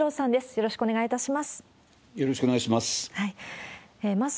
よろしくお願いします。